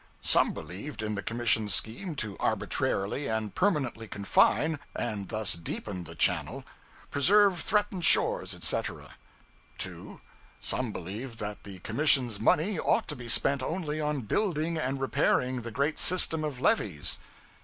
Some believed in the Commission's scheme to arbitrarily and permanently confine (and thus deepen) the channel, preserve threatened shores, etc. 2. Some believed that the Commission's money ought to be spent only on building and repairing the great system of levees.